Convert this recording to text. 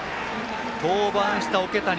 登板した桶谷。